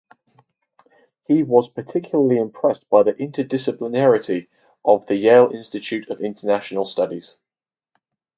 He was particularly impressed by the interdisciplinarity of the Yale Institute of International Studies.